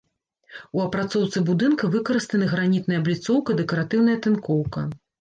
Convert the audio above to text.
У апрацоўцы будынка выкарыстаны гранітная абліцоўка, дэкаратыўная тынкоўка.